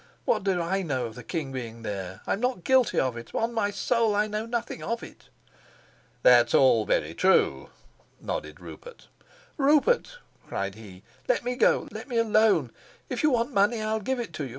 What did I know of the king being there? I'm not guilty of it: on my soul, I know nothing of it." "That's all very true," nodded Rupert. "Rupert," cried he, "let me go, let me alone. If you want money, I'll give it to you.